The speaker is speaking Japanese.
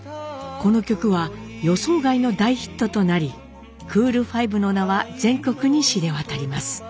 この曲は予想外の大ヒットとなりクール・ファイブの名は全国に知れ渡ります。